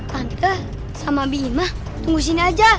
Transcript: tante sama bima tunggu sini aja